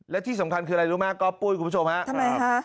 และที่สำคัญคืออะไรรู้ไหมก๊อปปุ้ยคุณผู้ชมครับ